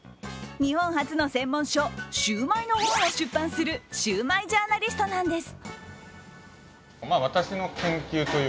日本初の専門書「シュウマイの本」を出版するシュウマイジャーナリストなんです。